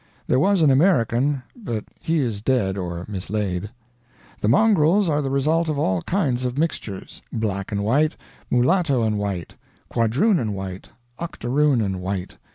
There was an American, but he is dead or mislaid. The mongrels are the result of all kinds of mixtures; black and white, mulatto and white, quadroon and white, octoroon and white.